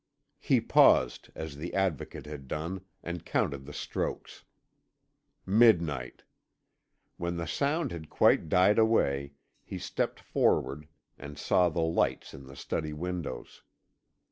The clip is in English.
He paused, as the Advocate had done, and counted the strokes. Midnight. When the sound had quite died away, he stepped forward, and saw the lights in the study windows.